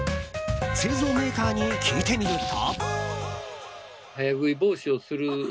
製造メーカーに聞いてみると。